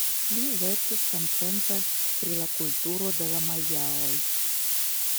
Li verkis samtempe pri la kulturo de la majaoj.